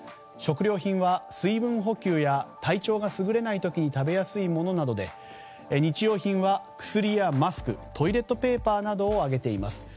食料品は、水分補給や体調がすぐれない時に食べやすいものなどで日用品は、薬やマスクトイレットペーパーなどを挙げています。